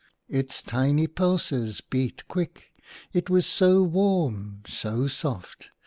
Its tiny pulses beat quick. It was so warm, so soft